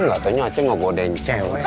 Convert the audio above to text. eh katanya acek nggak godein cewek